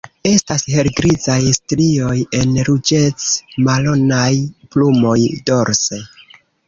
Estas helgrizaj strioj en ruĝec-maronaj plumoj dorse.